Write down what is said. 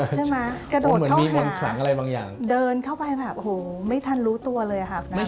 ใช่ไหมกระโดดข้างเดินเข้าไปไม่ทันรู้ตัวเลยครับ